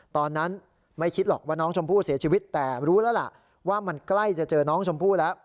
ตอนนั้นไม่คิดหรอกว่าน้องชมพู่เสียชีวิตแต่รู้แล้วล่ะว่ามันใกล้จะเจอน้องชมพู่แล้ว